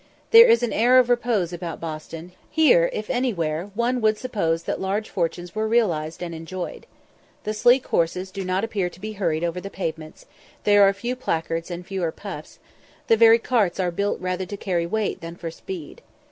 There is an air of repose about Boston; here, if anywhere, one would suppose that large fortunes were realised and enjoyed. The sleek horses do not appear to be hurried over the pavements; there are few placards, and fewer puffs; the very carts are built rather to carry weight than for speed.